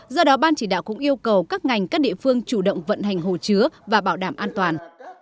do đó ban chỉ đạo cũng yêu cầu các ngành các địa phương chủ động vận hành hồ chứa và bảo đảm an toàn